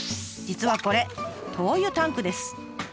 実はこれ灯油タンクです。